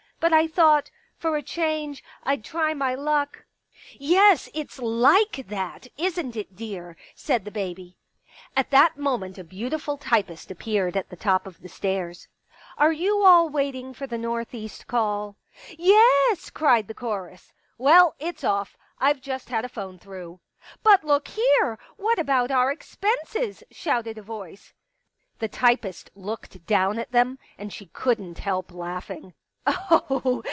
But I thought, for a change, I'd try my luck ..."" Yes, it's like that, isn't it, dear ?" said the baby. At that moment a beautiful typist appeared at the top of the stairs. " Are you all waiting for the North East call ?"'* Yes !" cried the chorus. " Well, it's off. I've just had a phone through." " But look here ! What about our expenses ?" shouted a voice. The typist looked down at them, and she couldn't help laughing.